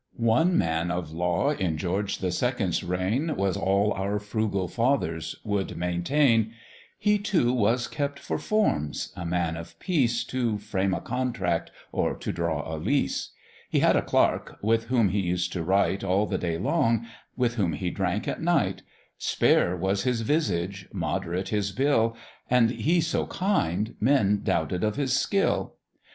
One Man of Law in George the Second's reign Was all our frugal fathers would maintain; He too was kept for forms; a man of peace, To frame a contract, or to draw a lease: He had a clerk, with whom he used to write All the day long, with whom he drank at night, Spare was his visage, moderate his bill, And he so kind, men doubted of his skill.